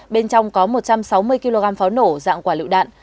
bên trong có một trăm sáu mươi kg pháo nổ dạng quả lựu đạn